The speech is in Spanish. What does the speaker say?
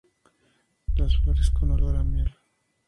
Las flores con olor a miel.